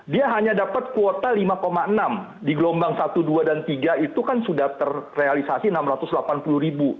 dia hanya dapat kuota lima enam di gelombang satu dua dan tiga itu kan sudah terrealisasi enam ratus delapan puluh ribu